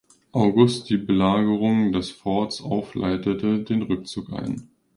August die Belagerung des Forts auf leitete den Rückzug ein.